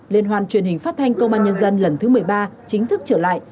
điên hoan truyền hình phát thanh công an nhân dân lần thứ một mươi ba chính thức trở lại